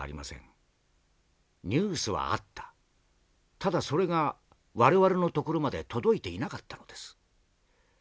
ただそれが我々のところまで届いていなかったのです。